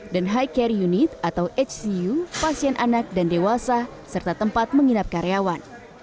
dan high care unit atau hcu pasien anak dan dewasa serta tempat menginap karyawan